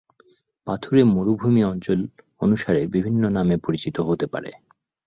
পাথুরে মরুভূমি অঞ্চল অনুসারে বিভিন্ন নামে পরিচিত হতে পারে।